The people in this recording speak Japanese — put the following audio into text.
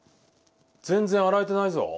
全然洗えてないぞ。